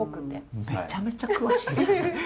めちゃめちゃ詳しいですね。